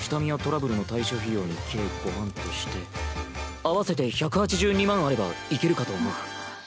下見やトラブルの対処費用に計５万として合わせて１８２万あればいけるかと思う。